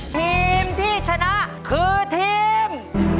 ทีมที่ชนะคือทีม